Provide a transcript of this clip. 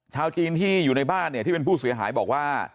ชาวจีนที่อยู่ในบ้านเนี่ยที่เป็นผู้เสียหายบอกว่า